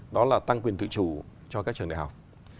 đó là tăng quyền tự chủ cho các trường đại học